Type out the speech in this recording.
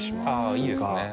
あいいですね。